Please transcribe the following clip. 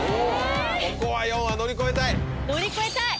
ここはヨンア乗り越えたい！